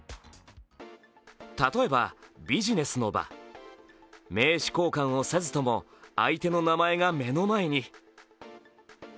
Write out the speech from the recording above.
例えばビジネスの場、名刺交換をせずとも相手の名前が目の前に。